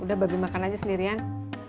udah bagi makan aja sendirian